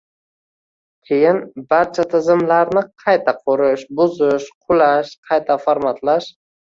Keyin barcha tizimlarni qayta qurish, buzish, qulash, qayta formatlash